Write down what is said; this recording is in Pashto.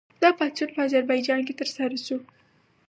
دا پاڅون په اذربایجان کې ترسره شو.